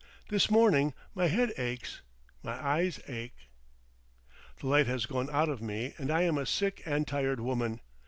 This morning my head aches, my eyes ache. "The light has gone out of me and I am a sick and tired woman.